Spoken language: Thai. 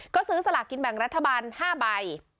ก็ซื้อสลากกินแบ่งรัฐบาล๕ใบ